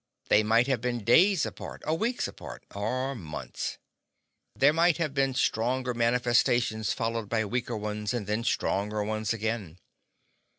They might have been days apart, or weeks apart, or months. There might have been stronger manifestations followed by weaker ones and then stronger ones again.